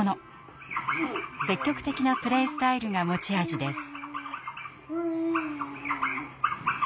積極的なプレースタイルが持ち味です。